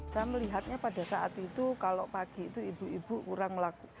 saya melihatnya pada saat itu kalau pagi itu ibu ibu kurang laku